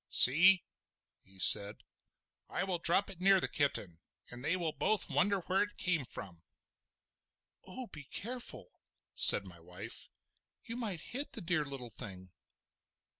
"See!" he said, "I will drop it near the kitten, and they will both wonder where it came from." "Oh, be careful," said my wife; "you might hit the dear little thing!"